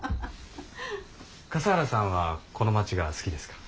笠原さんはこの町が好きですか？